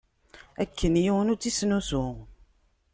Akken yiwen ur tt-isnusu.